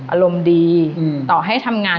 อารมณ์ดีต่อให้ทำงาน